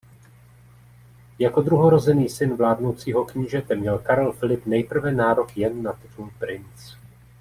Jako druhorozený syn vládnoucího knížete měl Karel Filip nejprve nárok jen na titul „princ“.